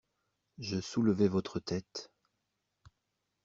Je soulevais votre tête.